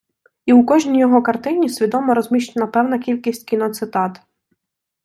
І у кожній його картині свідомо розміщена певна кількість кіноцитат.